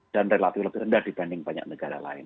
dan relatif lebih rendah dibanding banyak negara lain